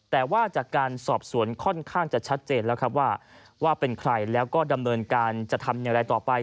แต่ว่าจากการสอบสวนค่อนข้างจะชัดเจนแล้วครับว่าเป็นใครแล้วก็ดำเนินการจะทำอย่างไรต่อไป